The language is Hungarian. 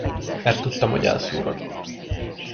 Mert tudtam, hogy elszúrod.